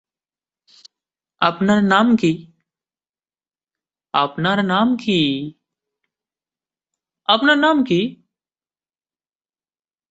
আপনার নাম কি?